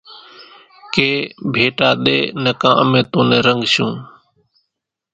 ڪي ڀيٽا ۮي نڪان امين تون نين رنڳشون